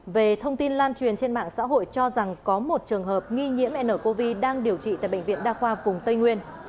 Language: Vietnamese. về thông tin lan truyền trên mạng xã hội cho rằng có một trường hợp nghi nhiễm ncov đang điều trị tại bệnh viện đa khoa vùng tây nguyên